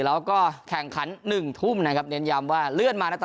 แล้วก็แข่งขันหนึ่งทุ่มนะครับเน้นยำว่าเลื่อนมาตอน